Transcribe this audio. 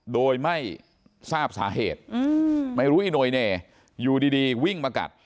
โดยไม่ทราบสาเหตุไม่รู้อีโนยเน่อยู่ดีวิ่งมากัด